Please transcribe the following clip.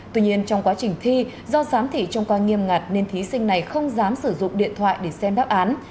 tuy nhiên trong quá trình thi do giám thị trông coi nghiêm ngặt nên thí sinh này không dám sử dụng điện thoại để xem đáp án